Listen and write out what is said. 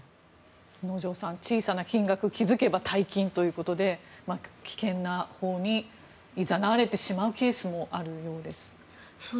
能條さん、小さな金額気付けば大金ということで危険なほうにいざなわれてしまうケースもあるようです。